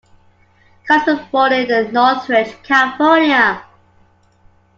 Collins was born in Northridge, California.